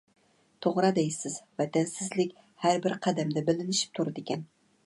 توغرا دەيسىز. ۋەتەنسىزلىك ھەربىر قەدەمدە بىلىنىشىپ تۇرىدىكەن.